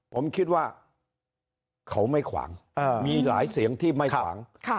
ผมคิดว่าเขาไม่ขวางมีหลายเสียงที่ไม่ขวาง